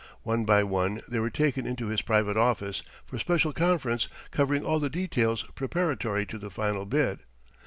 One by one they were taken into his private office for special conference covering all the details preparatory to the final bid.